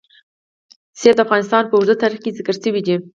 منی د افغانستان په اوږده تاریخ کې ذکر شوی دی.